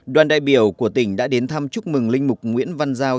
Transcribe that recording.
đoàn đại biểu của tỉnh đã đến thăm chúc mừng linh mục nguyễn văn giao